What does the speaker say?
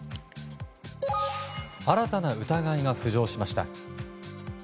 新たな疑いが浮上しました。